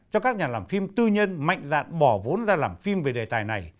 cho các nhà làm phim tư nhân mạnh dạn bỏ vốn ra làm phim về đề tài này